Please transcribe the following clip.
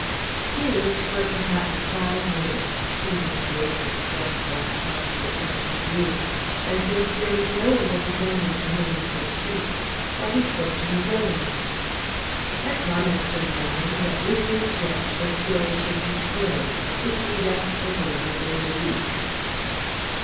"He lived for perhaps five minutes. He was in great distress lest harm should come to you; and since there was no one but his enemy to whom he could speak, why, he spoke to his enemy. I promised him, madam, that with his death the story should be closed, if you left Italy within the week."